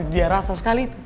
dia rasa sekali tuh